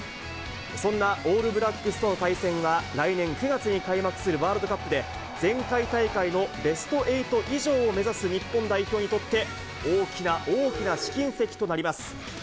そんなオールブラックスとの対戦は、来年９月に開幕するワールドカップで、前回大会のベスト８以上を目指す日本代表にとって、大きな大きなしきん石となります。